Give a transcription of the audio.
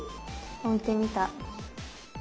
置いてみた。